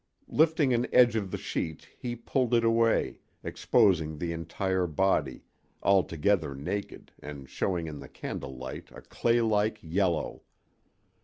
Lifting an edge of the sheet he pulled it away, exposing the entire body, altogether naked and showing in the candle light a claylike yellow.